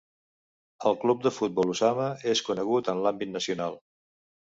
El Club de Futbol Usama és conegut en l'àmbit nacional.